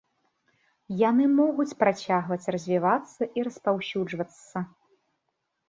Яны могуць працягваць развівацца і распаўсюджвацца.